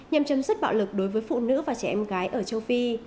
đem chấm sức bạo lực đối với phụ nữ và trẻ em gái ở châu phi